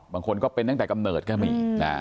บางคนก็เป็นตั้งแต่กำเนิดก็มี